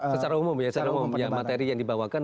secara umum ya materi yang dibawakan